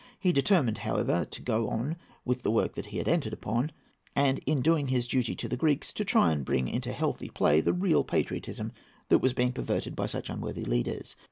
He determined, however, to go on with the work he had entered upon, and in doing his duty to the Greeks, to try to bring into healthy play the real patriotism that was being perverted by such unworthy leaders.